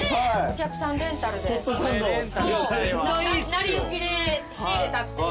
『なりゆき』で仕入れたっていう。